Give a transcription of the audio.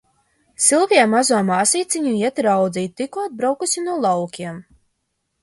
Silvija mazo māsīciņu iet raudzīt, tikko atbraukusi no laukiem.